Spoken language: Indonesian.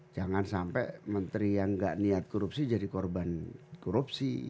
jangan sampai menteri yang gak niat korupsi jadi korban korupsi